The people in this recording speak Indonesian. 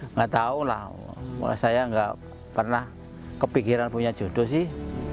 nggak tahu lah saya nggak pernah kepikiran punya jodoh sih